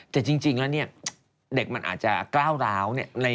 แต่จริงแล้วเด็กมันอาจจะกล้าวร้าว